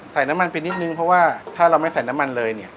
ใส่น้ำมันไปนิดนึงเพราะว่าถ้าเราไม่ใส่น้ำมันเลยเนี่ย